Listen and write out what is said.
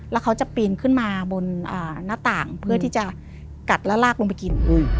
แล้วเขาจะปีนขึ้นมาบนหน้าต่างเพื่อที่จะกัดแล้วลากลงไปกิน